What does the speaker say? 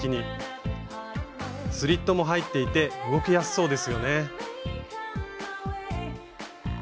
スリットも入っていて動きやすそうですよね。